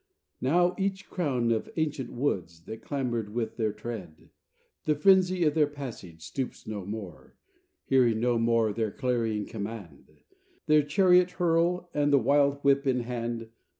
... Now each crown Of ancient woods, that clamored with their tread, The frenzy of their passage, stoops no more, Hearing no more their clarion command, Their chariot hurl and the wild whip in hand.